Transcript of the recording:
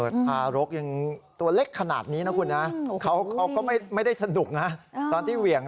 ทารกยังตัวเล็กขนาดนี้นะคุณนะเขาก็ไม่ได้สนุกนะตอนที่เหวี่ยง